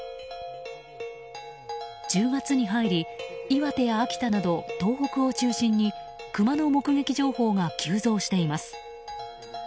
１０月に入り、岩手や秋田など東北を中心にクマの目撃情報が急増しています。